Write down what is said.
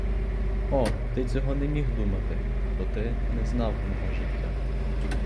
О, ти цього не міг думати, бо ти не знав мого життя.